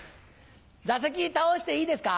座席倒していいですか？